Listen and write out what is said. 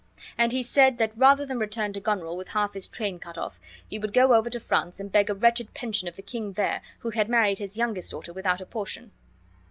And he said that rather than return to Goneril, with half his train cut off, he would go over to France and beg a wretched pension of the king there, who had married his youngest daughter without a portion.